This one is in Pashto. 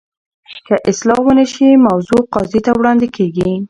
که اصلاح ونه شي، موضوع قاضي ته وړاندي کیږي.